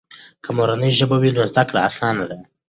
که مورنۍ ژبه وي، نو زده کړه آسانه ده.